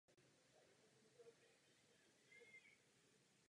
Je organizační složkou státu.